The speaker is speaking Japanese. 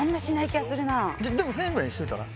でも１０００円ぐらいにしといたら？